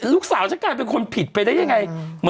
ลูกสาวชะกายเป็นคนผิดไปได้ยังไง